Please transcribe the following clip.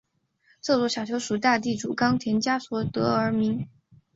这座小丘属大地主冈田家所有而得名。